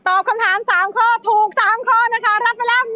ตอบคำถาม๓ข้อถูก๓ข้อนะคะรับไปแล้ว๑๕๐๐๐บาท